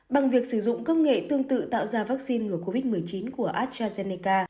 bằng việc sử dụng công nghệ tương tự tạo ra vaccine ngừa covid một mươi chín của astrazeneca